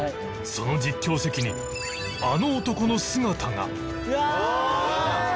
その実況席にあの男の姿がうわ！